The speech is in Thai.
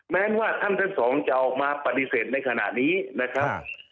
แม้ว่าท่านทั้งสองจะออกมาปฏิเสธในขณะนี้นะครับ